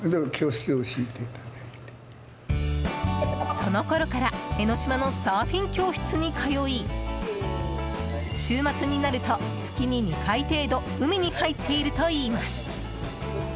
そのころから江の島のサーフィン教室に通い週末になると、月に２回程度海に入っているといいます。